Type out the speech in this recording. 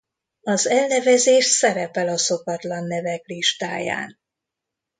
Az elnevezés szerepel a szokatlan nevek listáján.